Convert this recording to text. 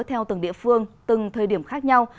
theo từng địa phương từng thời điểm khác nhau